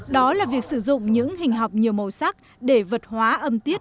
đó là việc sử dụng những hình học nhiều màu sắc để vật hóa âm tiết